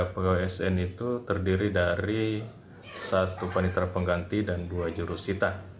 tiga pegawai asn itu terdiri dari satu panitera pengganti dan dua jurusita